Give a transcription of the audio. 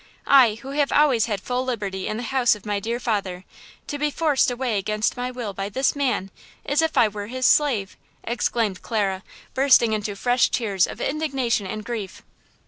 I, who have always had full liberty in the house of my dear father, to be forced away against my will by this man, as if I were his slave!" exclaimed Clara, bursting into fresh tears of indignation and grief.